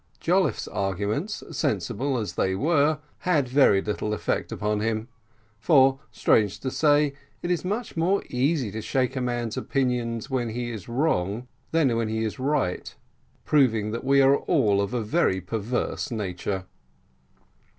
Jolliffe's arguments, sensible as they were, had very little effect upon him, for, strange to say, it is much more easy to shake a man's opinions when he is wrong than when he is right; proving that we are all of a very perverse nature.